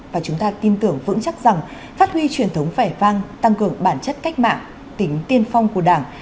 và chúng ta tin tưởng vững chắc rằng phát huy truyền thống vẻ vang tăng cường bản chất cách mạng tính tiên phong của đảng